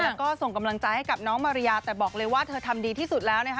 แล้วก็ส่งกำลังใจให้กับน้องมาริยาแต่บอกเลยว่าเธอทำดีที่สุดแล้วนะคะ